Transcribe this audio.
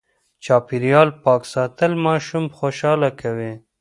چاپېريال پاک ساتل ماشوم خوشاله کوي.